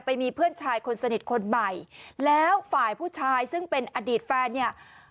มีเพื่อนชายคนสนิทคนใหม่แล้วฝ่ายผู้ชายซึ่งเป็นอดีตแฟนเนี่ย